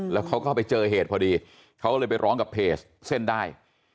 แล้วเขาก็ไปเจอเหตุพอดีเขาเลยไปร้องกับเพจเส้นได้